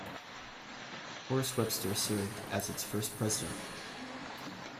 Horace Webster served as its first president.